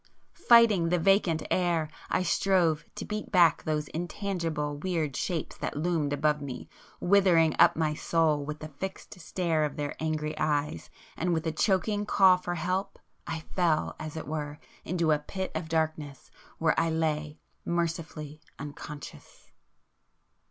[p 118]Fighting the vacant air, I strove to beat back those intangible weird Shapes that loomed above me, withering up my soul with the fixed stare of their angry eyes, and with a choking call for help, I fell, as it were, into a pit of darkness, where I lay mercifully unconscious.